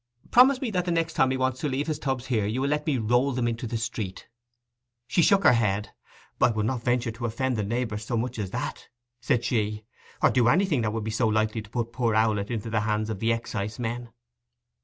Promise me that the next time he wants to leave his tubs here you will let me roll them into the street?' She shook her head. 'I would not venture to offend the neighbours so much as that,' said she, 'or do anything that would be so likely to put poor Owlett into the hands of the excisemen.